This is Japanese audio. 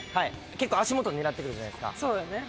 結構足元狙ってくるじゃないですか。